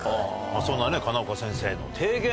そんな金岡先生の提言